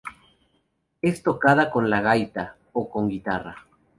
Es tocada con la gaita, o con guitarra.